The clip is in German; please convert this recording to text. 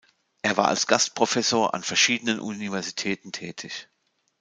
Er war als Gastprofessor an verschiedenen Universitäten tätig.